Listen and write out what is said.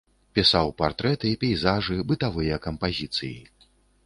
Пісаў партрэты, пейзажы, бытавыя кампазіцыі.